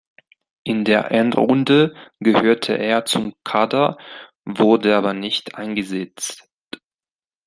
In der Endrunde gehörte er zum Kader, wurde aber nicht eingesetzt.